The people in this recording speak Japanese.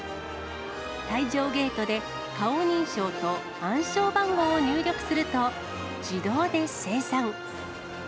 退場ゲートで顔認証と暗証番号を入力すると、自動で精算。